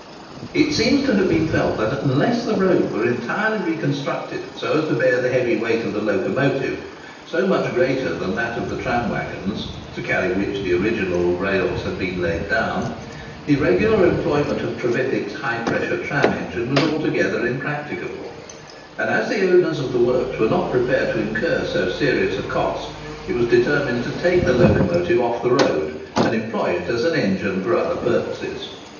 It seems to have been felt that unless the road were entirely reconstructed so as to bear the heavy weight of the locomotive—so much greater than that of the tram waggons, to carry which the original rails had been laid down—the regular employment of Trevithick's high pressure tram engine was altogether impracticable; and as the owners of the works were not prepared to incur so serious a cost, it was determined to take the locomotive off the road, and employ it as an engine for other purposes.